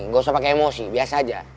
gak usah pakai emosi biasa aja